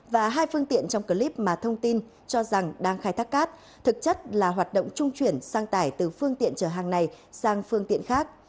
và hai phương tiện trong clip mà thông tin cho rằng đang khai thác cát thực chất là hoạt động trung chuyển sang tải từ phương tiện chở hàng này sang phương tiện khác